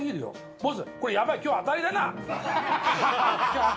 ボス、これやばい今日当たりだな。